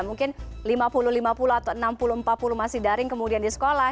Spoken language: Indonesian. mungkin lima puluh lima puluh atau enam puluh empat puluh masih daring kemudian di sekolah